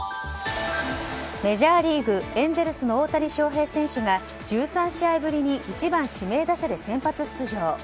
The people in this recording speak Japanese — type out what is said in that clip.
メジャーリーグエンゼルスの大谷翔平選手が１３試合ぶりに１番指名打者で先発出場。